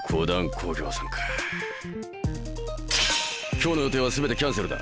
今日の予定は全てキャンセルだ。